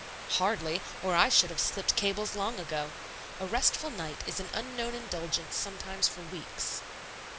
"Hardly, or I should have slipped cables long ago. A restful night is an unknown indulgence sometimes for weeks."